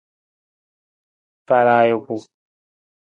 Faala ajuku.